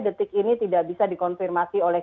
detik ini tidak bisa dikonfirmasi oleh